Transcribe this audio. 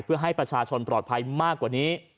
เพื่อให้ประชาชนปลอดภัยมากกว่านี้